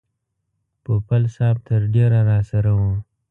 پوپل صاحب تر ډېره راسره و.